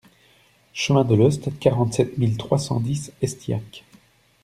Chemin de Lhoste, quarante-sept mille trois cent dix Estillac